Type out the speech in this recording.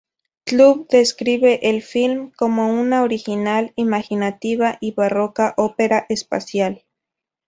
Club" describe el film como una original, imaginativa y barroca opera espacial.